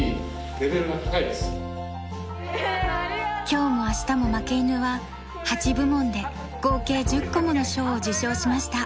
『今日も明日も負け犬。』は８部門で合計１０個もの賞を受賞しました。